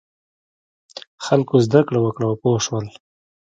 خلکو زده کړه وکړه او پوه شول.